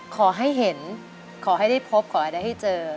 ขอให้เห็นขอให้ได้พบขอให้ได้ให้เจอ